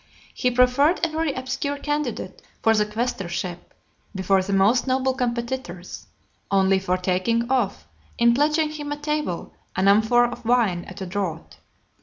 He preferred a very obscure candidate for the quaestorship, before the most noble competitors, only for taking off, in pledging him at table, an amphora of wine at a draught .